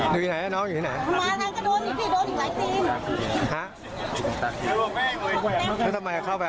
ได้อะไรบอมได้ได้กี่